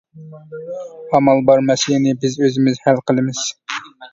ئامال بار مەسىلىنى بىز ئۆزىمىز ھەل قىلىمىز.